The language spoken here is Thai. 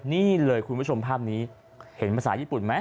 นี่เลยคุณผู้ชมภาพนี้เห็นภาษาญี่ปุ่นไหม